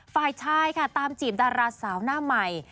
ฝ่ายชายค่ะตามจีบดาราสาวหน้าใหม่